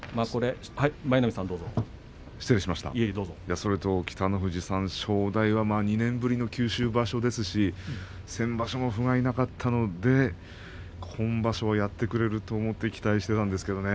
それと北の富士さん正代は２年ぶりの九州場所ですし先場所も、ふがいなかったので今場所はやってくれると思って期待していたんですけどね。